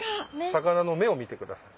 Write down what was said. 魚の目を見てください。